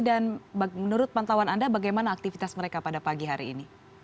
dan menurut pantauan anda bagaimana aktivitas mereka pada pagi hari ini